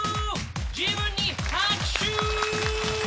自分に拍手！